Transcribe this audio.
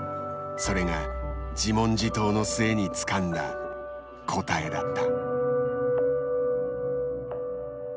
それが自問自答の末につかんだ答えだった。